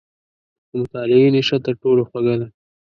• د مطالعې نیشه تر ټولو خوږه ده.